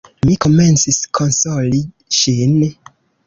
Mi komencis konsoli ŝin.